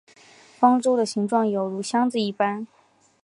方舟的形状有如箱子一般。